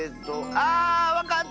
あわかった！